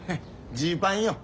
ジーパン。